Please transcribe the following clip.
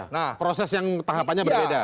nah proses yang tahapannya berbeda